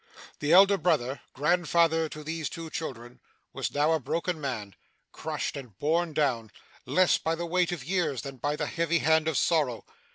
'The elder brother, grandfather to these two children, was now a broken man; crushed and borne down, less by the weight of years than by the heavy hand of sorrow.